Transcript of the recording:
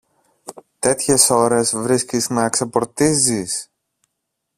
Τέτοιες ώρες βρίσκεις να ξεπορτίζεις;